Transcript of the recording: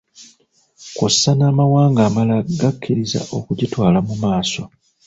Kw’ossa n’amawanga amalala gakkiriza okugitwala mu maaso.